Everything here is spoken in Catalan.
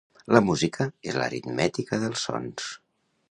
La música és l'aritmètica dels sons.